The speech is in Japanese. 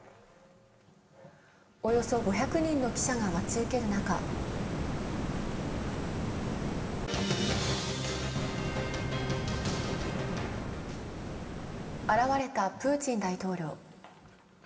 およそ５００人の記者が待ち受ける中現れたプーチン大統領。